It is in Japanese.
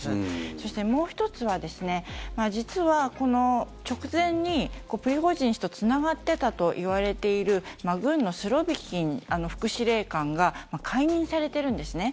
そして、もう１つは実はこの直前にプリゴジン氏とつながっていたといわれている軍のスロビキン副司令官が解任されているんですね。